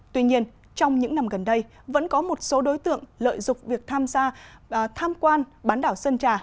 tuy nhiên trong những năm gần đây vẫn có một số đối tượng lợi dục việc tham quan bán đảo sơn trà